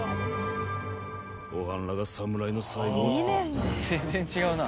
おはんらが侍の最後を務めるんじゃ。